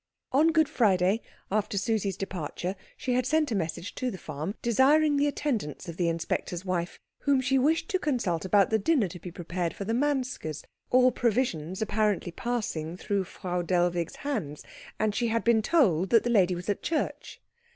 On Good Friday, after Susie's departure, she had sent a message to the farm desiring the attendance of the inspector's wife, whom she wished to consult about the dinner to be prepared for the Manskes, all provisions apparently passing through Frau Dellwig's hands; and she had been told that the lady was at church.